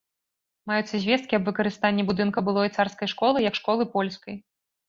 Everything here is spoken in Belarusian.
Маюцца звесткі аб выкарыстанні будынка былой царскай школы як школы польскай.